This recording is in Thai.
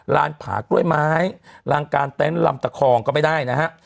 ผากล้วยไม้ลางการเต็นต์ลำตะคองก็ไม่ได้นะฮะ